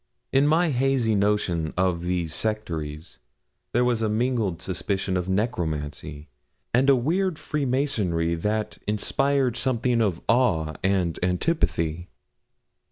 In my hazy notions of these sectaries there was mingled a suspicion of necromancy, and a weird freemasonry, that inspired something of awe and antipathy.